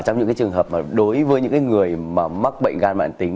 trong những trường hợp đối với những người mắc bệnh gan mạng tính